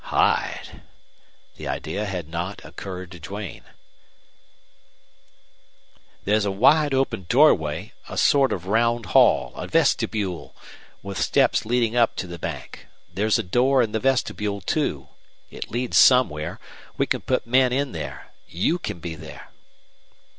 "Hide!" The idea had not occurred to Duane. "There's a wide open doorway, a sort of round hall, a vestibule, with steps leading up to the bank. There's a door in the vestibule, too. It leads somewhere. We can put men in there. You can be there."